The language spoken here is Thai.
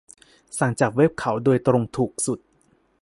สั่งจากเว็บเขาโดยตรงถูกสุด